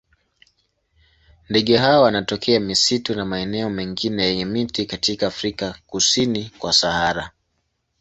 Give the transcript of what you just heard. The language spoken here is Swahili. Ndege hawa wanatokea misitu na maeneo mengine yenye miti katika Afrika kusini kwa Sahara.